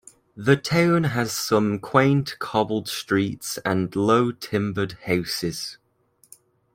The town has some quaint cobbled streets and low-timbered houses.